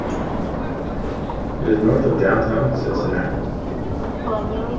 It is north of downtown Cincinnati.